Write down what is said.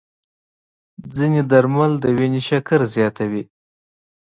ځینې درمل د وینې شکر زیاتوي.